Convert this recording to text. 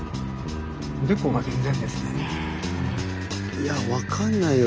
いや分かんないよ